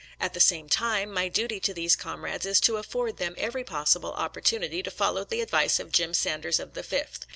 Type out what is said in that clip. At the same time, my duty to these comrades is to afford them every possible opportunity to follow the advice of Jim Sanders of the Fifth.